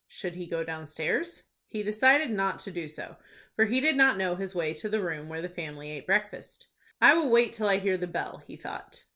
Should he go downstairs? He decided not to do so, for he did not know his way to the room where the family ate breakfast. "I will wait till I hear the bell," he thought.